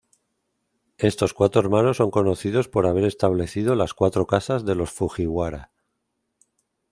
Estos cuatro hermanos son conocidos por haber establecido las "cuatro casas" de los Fujiwara.